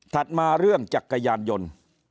มาเรื่องจักรยานยนต์